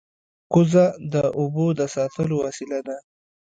کوزه د اوبو د ساتلو وسیله ده